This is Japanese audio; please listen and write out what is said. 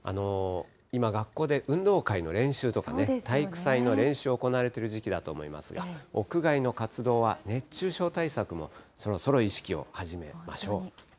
今、学校で運動会の練習とか、体育祭の練習、行われている時期だと思いますが、屋外の活動は熱中症対策も、そろそろ意識を始めましょう。